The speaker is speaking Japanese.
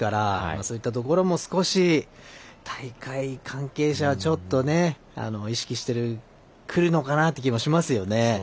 そういったところも少し大会関係者はちょっとね、意識してくるのかなという気もしますよね。